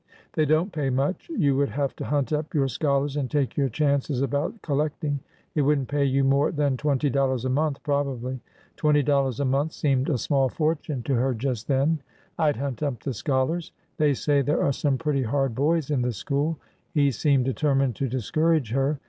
'' They don't pay much. You would have to hunt up your scholars and take your chances about collecting. It would n't pay you more than twenty dollars a month, probably." Twenty dollars a month seemed a small fortune to her just then. " I 'd hunt up the scholars." They say there are some pretty hard boys in the school." He seemed determined to discourage her.